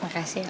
terima kasih om